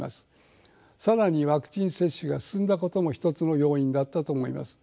更にワクチン接種が進んだことも一つの要因だったと思います。